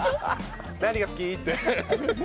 何が好き？って。